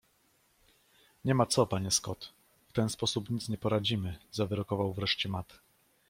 Nie ma co, panie Scott, w ten sposób nic nie poradzimy zawyrokował wreszcie Matt.